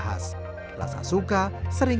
bisa banyak sih